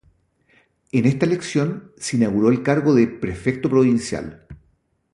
En esta elección se inauguró el cargo de prefecto provincial